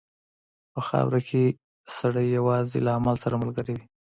په خاوره کې سړی یوازې له عمل سره ملګری وي.